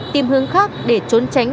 tìm hướng khác để trốn tránh